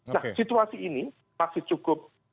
nah situasi ini masih cukup